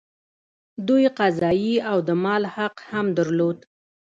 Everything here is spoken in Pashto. دوی قضايي او د مال حق هم درلود.